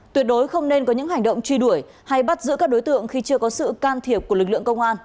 tuyệt đối không nên có những hành động truy đuổi hay bắt giữ các đối tượng khi chưa có sự can thiệp của lực lượng công an